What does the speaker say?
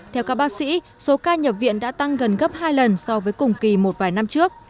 theo các bác sĩ số ca nhập viện đã tăng gần gấp hai lần so với cùng kỳ một vài năm trước